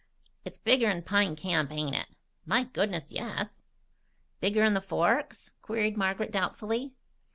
"It's bigger'n Pine Camp, ain't it?" "My goodness, yes!" "Bigger'n the Forks?" queried Margaret doubtfully.